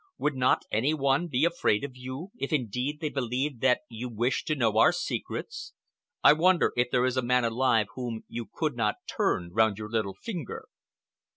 "Would not any one be afraid of you—if, indeed, they believed that you wished to know our secrets? I wonder if there is a man alive whom you could not turn round your little finger."